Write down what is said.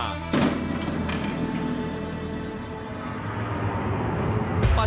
สร้างศาลกลลาดนักรบโบราณ